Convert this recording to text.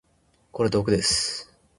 これ毒です。